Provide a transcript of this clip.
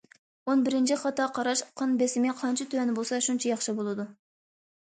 ئون بىرىنچى خاتا قاراش قان بېسىمى قانچە تۆۋەن بولسا شۇنچە ياخشى بولىدۇ.